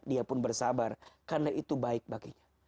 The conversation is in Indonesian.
dia pun bersabar karena itu baik baginya